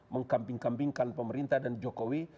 mengkamping kampingkan pemerintah dan jokowi